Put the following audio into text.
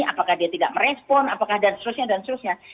apakah dia tidak merespon apakah dan seterusnya dan seterusnya